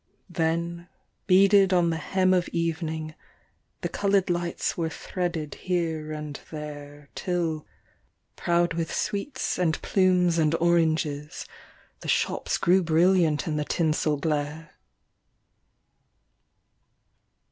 Then beaded on the hem of evening, the coloured lights were threaded here and there, Till proud with sweets and plumes and oranges, the shops grew brilliant in the tinsel glare.